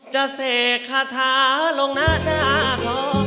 จะเสกคาท้าลงหน้าหน้าของ